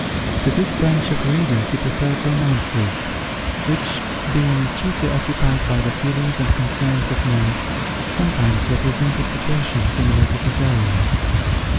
To this branch of reading he preferred romances, which, being chiefly occupied by the feelings and concerns of men, sometimes represented situations similar to his own.